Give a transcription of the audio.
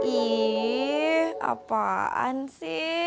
ih apaan sih